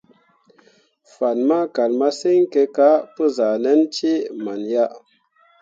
Fan ma kal masǝŋ kǝ ka pǝ zah ʼnan cee man ya.